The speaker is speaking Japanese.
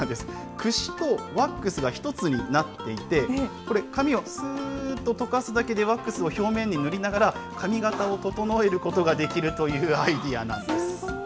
くしとワックスが一つになっていて、これ、髪をすーっととかすだけで、ワックスを表面に塗りながら、髪形を整えることができるというアイデアなんです。